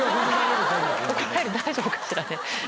大丈夫かしらね。